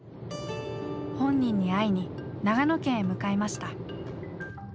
本人に会いに長野県へ向かいました。